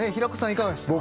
いかがでしたか？